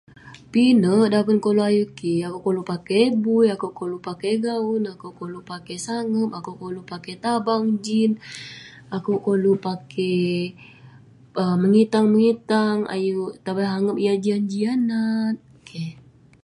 pinek daven yah koluk ayuk kik, akouk koluk pakey bui... akouk koluk pakey gaun, akouk koluk pakey sangep, akouk koluk pakey tabang jean, akouk koluk pakey um mengitang, mengitang..ayuk tabang sangep yah jian jian nat keh.